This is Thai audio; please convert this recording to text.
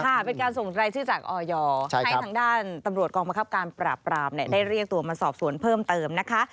เป็นการส่งรายชื่อจากออยให้ทางด้านตำรวจกองประคับการปราบปรามเนี่ยได้เรียกตัวมาสอบสวนเพิ่มเติมนะคะ